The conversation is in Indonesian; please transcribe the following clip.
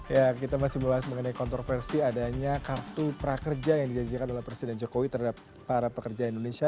ya kita masih mulai mengenai kontroversi adanya kartu prakerja yang dijanjikan oleh presiden jokowi terhadap para pekerja indonesia